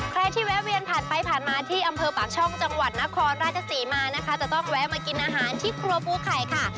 ใครที่แวะเวียนผ่านไปผ่านมาที่อำเภอปากช่องจังหวัดนครราชศรีมานะคะจะต้องแวะมากินอาหารที่ครัวภูไข่ค่ะ